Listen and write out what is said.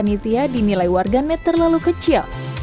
penitia dinilai warga net terlalu kecil